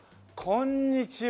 こんにちは。